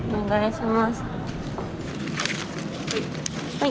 はい。